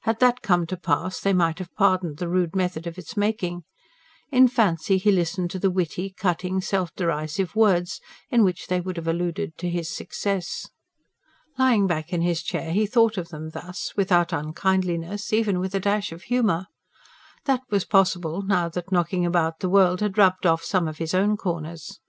Had that come to pass, they might have pardoned the rude method of its making in fancy he listened to the witty, cutting, self derisive words, in which they would have alluded to his success. Lying back in his chair he thought of them thus, without unkindliness, even with a dash of humour. That was possible, now that knocking about the world had rubbed off some of his own corners.